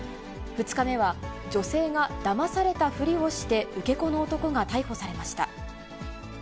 ２日目は、女性がだまされたふりをして、受け子の男が逮捕されました。